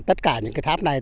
tất cả những cái tháp này